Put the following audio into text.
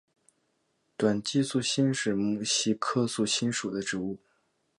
短萼素馨是木犀科素馨属的植物。